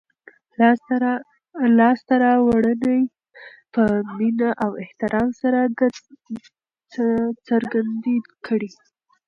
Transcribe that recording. لاسته راوړنې په مینه او احترام سره څرګندې کړئ.